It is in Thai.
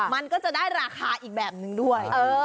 มันก็จะได้ราคาอีกแบบนึงด้วย